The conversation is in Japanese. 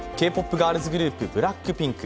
ガールズグループＢＬＡＣＫＰＩＮＫ